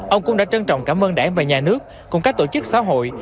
ông cũng đã trân trọng cảm ơn đảng và nhà nước cùng các tổ chức xã hội